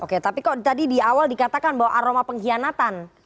oke tapi kok tadi di awal dikatakan bahwa aroma pengkhianatan